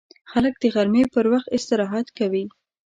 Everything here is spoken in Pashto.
خلک د غرمې پر وخت استراحت کوي